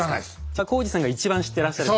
じゃ耕史さんが一番知ってらっしゃる？